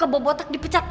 kalau kebawa botak dipecat